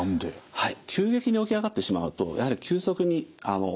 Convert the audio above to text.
はい。